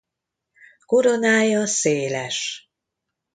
Koronája széles.